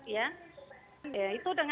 ya itu dengan